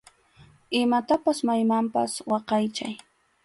Imatapas maymanpas waqaychay.